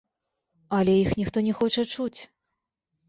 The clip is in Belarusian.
Але іх ніхто не хоча чуць.